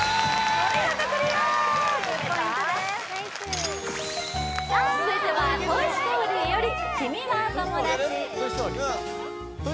お見事クリア１０ポイントです・ナイス続いては「トイ・ストーリー」より「君はともだち」いける？